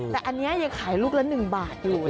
แต่อันนี้ยังขายลูกละ๑บาทอยู่